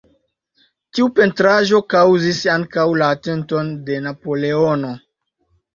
Tiu pentraĵo kaŭzis ankaŭ la atenton de Napoleono.